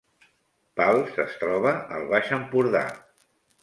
Pals es troba al Baix Empordà